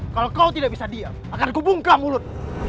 kalau kau tidak bisa diam akan ku bungka mulut